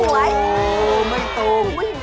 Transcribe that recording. โอ้โฮไม่ตรง